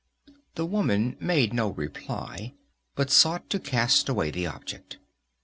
The woman made no reply, but sought to cast away the object.